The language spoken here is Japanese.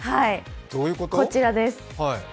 こちらです。